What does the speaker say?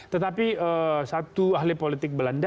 tetapi satu ahli politik belanda